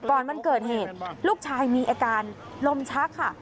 วันเกิดเหตุลูกชายมีอาการลมชักค่ะ